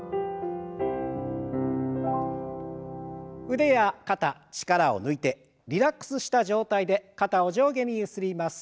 腕や肩力を抜いてリラックスした状態で肩を上下にゆすります。